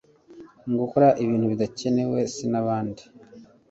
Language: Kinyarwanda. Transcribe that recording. mugukora ibintu bidakenwe cnabandi